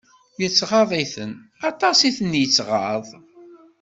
Yettɣaḍ-iten, aṭas i ten-yettɣaḍ.